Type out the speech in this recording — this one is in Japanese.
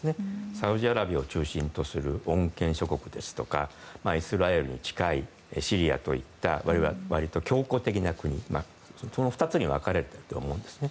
サウジアラビアを中心とする穏健諸国ですとかイスラエルに近いシリアといった強硬的な国その２つに分かれていると思うんですね。